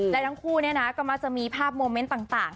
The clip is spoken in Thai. และทั้งคู่เนี่ยนะก็มาจะมีภาพโมเมนต์ต่าง